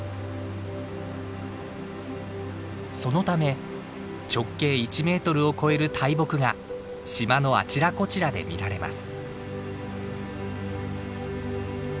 そのため直径１メートルを超える大木が島のあちらこちらで見られます。